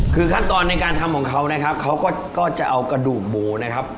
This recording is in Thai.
คือขั้นตอนในการทำของเขานะครับเขาก็จะเอากระดูกหมูนะครับ